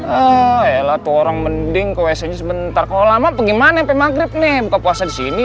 eh elah tolong mending ke wc sebentar kalau lama pergi mana maghrib nih buka puasa di sini